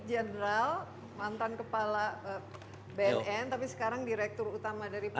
general mantan kepala bnn tapi sekarang direktur utama dari pt